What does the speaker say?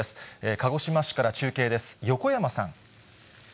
鹿児島市から中継です。